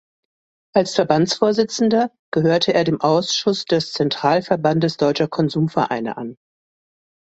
Als Verbandsvorsitzender gehörte er dem Ausschuss des "Zentralverbandes deutscher Konsumvereine" an.